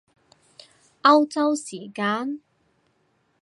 歐洲時間？